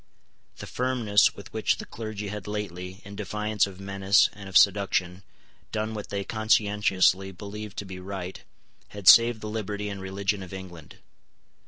The firmness with which the clergy had lately, in defiance of menace and of seduction, done what they conscientiously believed to be right, had saved the liberty and religion of England.